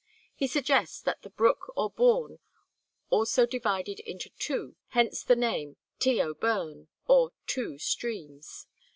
He suggests that the brook or "bourne" also divided into two, hence the name "Teo Burne," or two streams.